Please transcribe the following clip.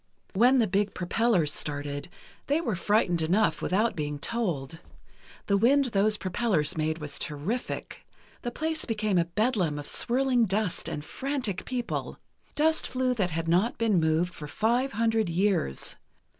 When the big propellers started, they were frightened enough without being told. The wind those propellers made was terrific. The place became a bedlam of swirling dust and frantic people. Dust flew that had not been moved for five hundred years.